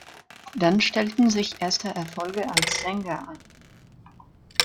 Dann stellten sich erste Erfolge als Sänger ein.